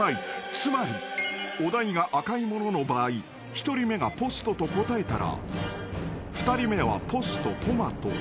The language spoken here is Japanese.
［つまりお題が赤いものの場合１人目がポストと答えたら２人目はポストトマト］